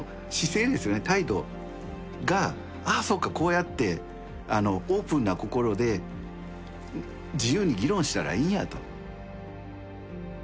態度が「ああそうかこうやってオープンな心で自由に議論したらいいんや」と。